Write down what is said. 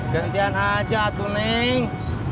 gantian aja tuh neng